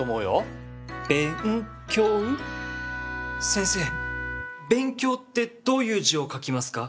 先生「べんきょう」ってどういう字を書きますか？